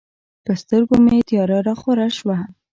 په سترګو مې تیاره راخوره شوه.